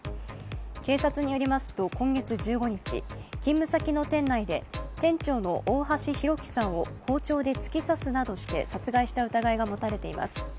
警察によりますと今月１５日、勤務先の店内で店長の大橋弘輝さんを包丁で突き刺すなどして殺害した疑いが持たれています。